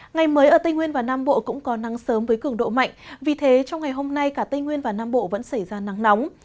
ngày mới ở tây nguyên và nam bộ cũng có nắng sớm với cường độ mạnh vì thế trong ngày hôm nay cả tây nguyên và nam bộ vẫn xảy ra nắng nóng